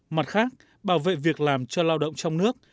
mặt khác bảo vệ việc làm cho lao động trong nước